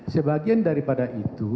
sebagian daripada itu